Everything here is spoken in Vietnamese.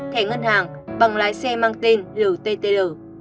thẻ ngân hàng bằng lái xe mang tên lttl